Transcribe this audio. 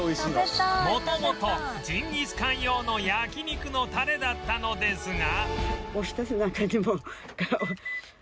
元々ジンギスカン用の焼肉のタレだったのですが